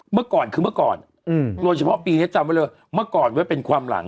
เมื่อก่อนคือเมื่อก่อนโดยเฉพาะปีนี้จำไว้เลยเมื่อก่อนไว้เป็นความหลัง